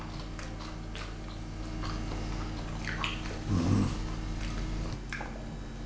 うん！